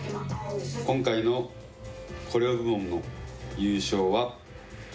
今回のコレオ部門の優勝は。